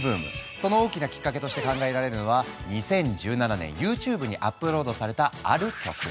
その大きなきっかけとして考えられるのは２０１７年ＹｏｕＴｕｂｅにアップロードされたある曲。